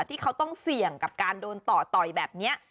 ที่เขาต้องเสี่ยงกับการโดนต่อต่อยแบบนี้